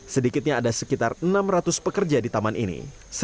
sedikitnya ada sekitar enam ratus pekerja di taman ini